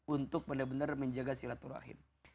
untuk benar benar menjaga silaturahim